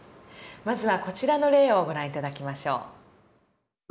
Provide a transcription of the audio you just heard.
まずはこちらの例をご覧頂きましょう。